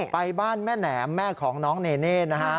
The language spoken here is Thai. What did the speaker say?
ไปบ้านแม่แหนมแม่ของน้องเนเน่นะฮะ